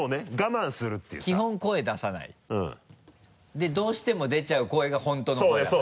でどうしても出ちゃう声が本当の声だから。